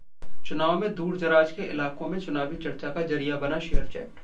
चुनाव में दूरदराज के इलाकों में चुनावी चर्चा का जरिया बना शेयरचैट